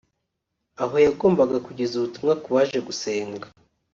aho yagombaga kugeza ubutumwa ku baje gusenga